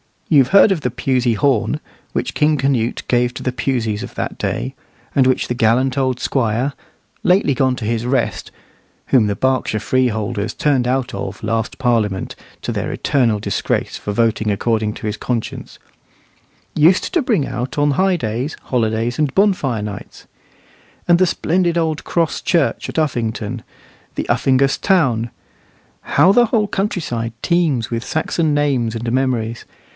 You've heard of the Pusey horn, which King Canute gave to the Puseys of that day, and which the gallant old squire, lately gone to his rest (whom Berkshire freeholders turned out of last Parliament, to their eternal disgrace, for voting according to his conscience), used to bring out on high days, holidays, and bonfire nights. And the splendid old cross church at Uffington, the Uffingas town. How the whole countryside teems with Saxon names and memories!